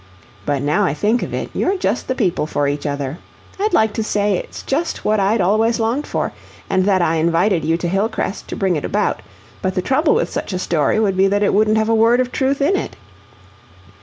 But now I think of it, you're just the people for each other. I'd like to say that it's just what I'd always longed for, and that I invited you to Hillcrest to bring it about; but the trouble with such a story would be that it wouldn't have a word of truth in it.